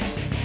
eh mbak be